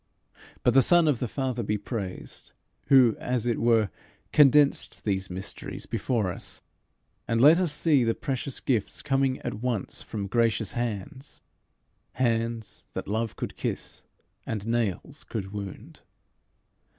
But the Son of the Father be praised, who, as it were, condensed these mysteries before us, and let us see the precious gifts coming at once from gracious hands hands that love could kiss and nails could wound.